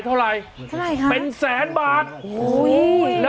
เท่าไหร่